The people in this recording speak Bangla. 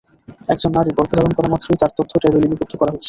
একজন নারী গর্ভধারণ করা মাত্রই তাঁর তথ্য ট্যাবে লিপিবদ্ধ করা হচ্ছে।